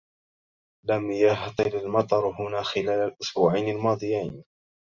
لم يهطل المطر هنا خلال الإسبوعين الماضيين.